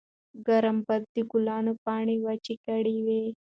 ګرم باد د ګلانو پاڼې وچې کړې وې.